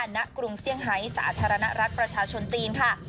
ณกรุงเซี่ยงไฮสาธารณรัฐประชาชนจีนค่ะ